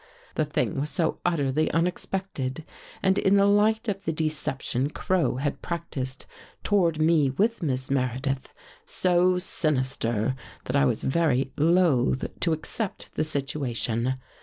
The thing was so utterly un expected, and in the light of the deception Crow had practiced toward me with Miss Meredith, so sinister, that I was very loath to accept the situation.